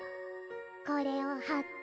これをはって。